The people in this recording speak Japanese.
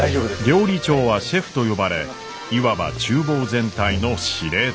料理長はシェフと呼ばれいわば厨房全体の司令塔。